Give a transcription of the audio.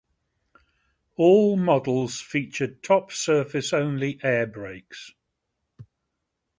All models featured top-surface-only air brakes.